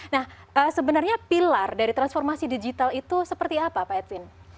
nah sebenarnya pilar dari transformasi digital itu seperti apa pak edwin